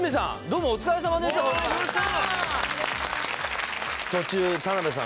どうもお疲れさまでした